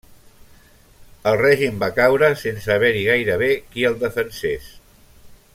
El règim va caure sense haver-hi gairebé qui el defensés.